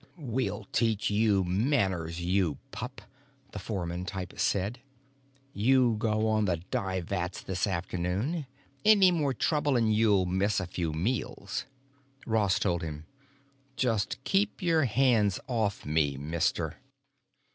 "We'll teach you manners, you pup," the foreman type said. "You go on the dye vats this afternoon. Any more trouble and you'll miss a few meals." Ross told him: "Just keep your hands off me, mister."